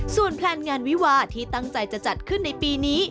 ส่วนแพลนงานวิวาที่ตั้งใจจะจัดขึ้นในปีนี้